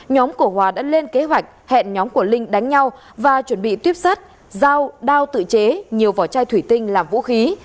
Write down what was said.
nhóm của hòa đã lên kế hoạch hẹn nhóm của linh đánh nhau và chuẩn bị tuyếp sắt dao đao tự chế nhiều vỏ chai thủy tinh là vũ khí